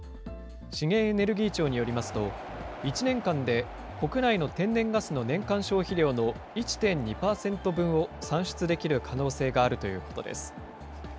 資源エネルギー庁によりますと、１年間で国内の天然ガスの年間消費量の１．２％分を産出できる可能性があるということです。